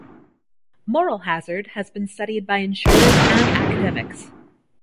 Moral hazard has been studied by insurers and academics.